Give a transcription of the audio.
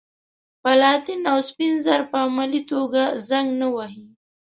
پلاتین او سپین زر په عملي توګه زنګ نه وهي.